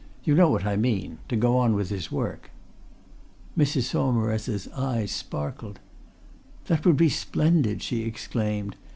"You know what I mean to go on with his work." Mrs. Saumarez's eyes sparkled. "That would be splendid!" she exclaimed.